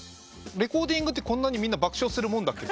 「レコーディングってこんなにみんな爆笑するもんだっけ？」